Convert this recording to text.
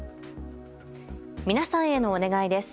皆さんへのお願いです。